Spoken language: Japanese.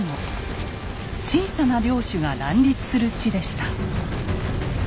小さな領主が乱立する地でした。